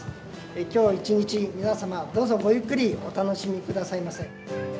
きょう一日、皆様、どうぞごゆっくりお楽しみくださいませ。